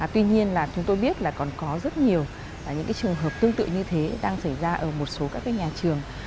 tuy nhiên là chúng tôi biết là còn có rất nhiều những trường hợp tương tự như thế đang xảy ra ở một số các nhà trường